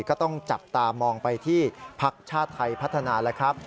ก็ต้องจับตามองไปที่พักชาติไทยพัฒนาแล้วครับ